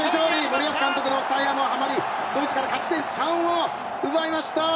森保監督の采配もはまりドイツから勝ち点３を奪いました！